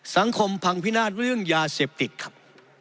สังคมพังพินาศเรื่องยาเสพติดครับ